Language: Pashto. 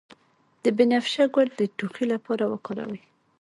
د بنفشه ګل د ټوخي لپاره وکاروئ